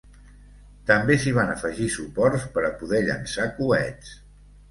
També s'hi van afegir suports per a poder llançar coets.